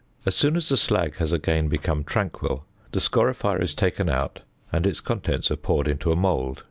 As soon as the slag has again become tranquil, the scorifier is taken out, and its contents are poured into a mould (fig.